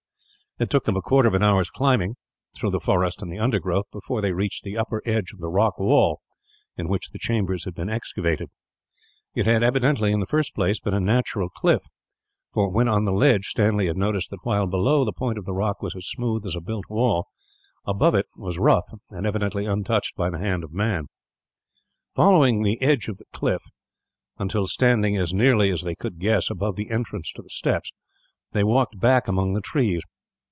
It took them a quarter of an hour's climbing, through the forest and undergrowth, before they reached the upper edge of the rock wall in which the chambers had been excavated. It had evidently, in the first place, been a natural cliff for, when on the ledge, Stanley had noticed that while below that point the rock was as smooth as a built wall, above it was rough, and evidently untouched by the hand of man. Following the edge of the cliff, until standing as nearly as they could guess above the entrance to the steps, they walked back among the trees.